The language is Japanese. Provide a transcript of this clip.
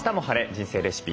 人生レシピ」。